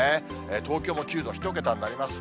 東京も９度、１桁になります。